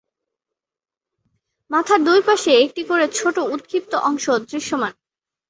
মাথার দুইপাশে একটি করে ছোট উৎক্ষিপ্ত অংশ দৃশ্যমান।